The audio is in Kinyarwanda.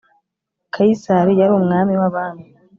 Kayisari yari umwami wabami.